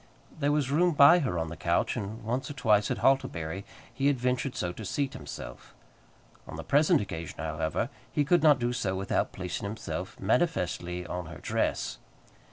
There was room by her on the couch, and once or twice, at Hartlebury, he had ventured so to seat himself. On the present occasion, however, he could not do so without placing himself manifestly on her dress.